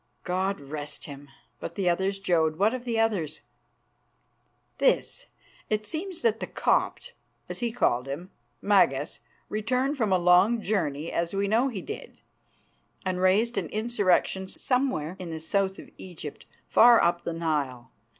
"God rest him. But the others, Jodd, what of the others?" "This. It seems that the Copt, as he called him, Magas, returned from a long journey, as we know he did, and raised an insurrection somewhere in the south of Egypt, far up the Nile.